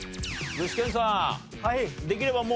具志堅さん